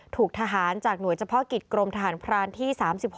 ถูกทหารจากหน่วยเฉพาะกิจกรมทหารพรานที่๓๖